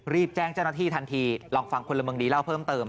แจ้งเจ้าหน้าที่ทันทีลองฟังพลเมืองดีเล่าเพิ่มเติม